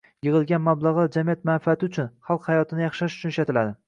Yig‘ilgan mablag‘lar jamiyat manfaati uchun, xalq hayotini yaxshilash uchun ishlatiladi.